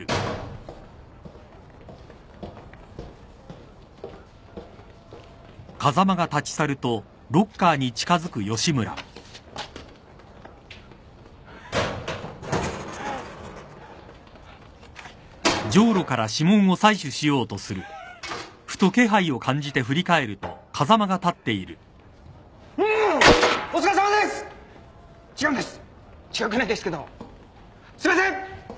違くないですけどすいません！